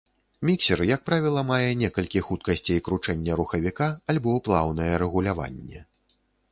Міксер, як правіла, мае некалькі хуткасцей кручэння рухавіка, альбо плаўнае рэгуляванне.